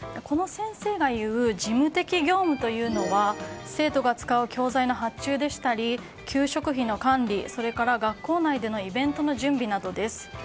この先生がいう事務的業務というのは生徒が使う教材の発注や給食費の管理や学校内などでのイベントの準備などです。